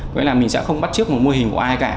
nghĩa là mình sẽ không bắt trước một mô hình của ai cả